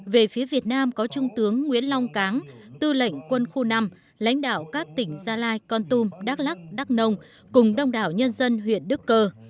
về phía việt nam có trung tướng nguyễn long cán tư lệnh quân khu năm lãnh đạo các tỉnh gia lai con tum đắk lắc đắk nông cùng đông đảo nhân dân huyện đức cơ